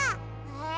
え？